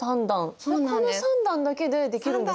この３段だけでできるんですね？